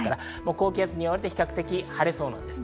高気圧に覆われて、比較的晴れそうです。